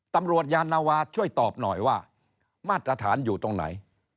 ตำรวจยานวาช่วยตอบหน่อยว่ามาตรฐานอยู่ตรงไหน